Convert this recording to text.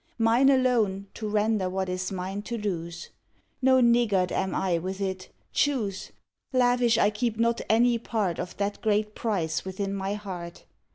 Mine alone To render what is mine to lose. No niggard am I with it. Choose! Lavish, I keep not any part Of that great price within my heart.